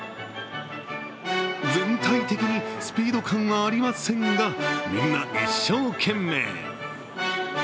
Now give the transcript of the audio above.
全体的にスピード感はありませんが、みんな一生懸命。